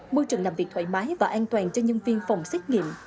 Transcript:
môi trường làm việc thoải mái và an toàn cho nhân viên phòng xét nghiệm